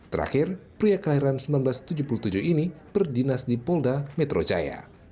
terakhir pria kelahiran seribu sembilan ratus tujuh puluh tujuh ini berdinas di polda metro jaya